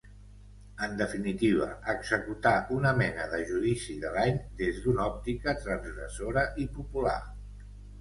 En definitiva, executar una mena de judici de l’any des d’una òptica transgressora i popular.